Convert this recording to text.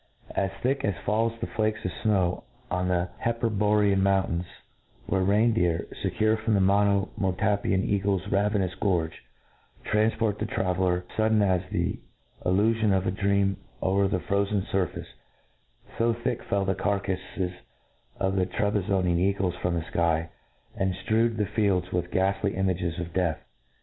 As thick as fall the flakes of ihow on the Heperborean mountains, where rein deer, fecure frongi the Monomotapian eaglets ravenous gorge, tranfpoit di^ traveller fudden as the illu fion of a dream a*er the frozen furface— fo thick fell the carcafes of the I'rebizonian eagles from the iky, and ftrewed the fields with ghaftly ima ' ges of death.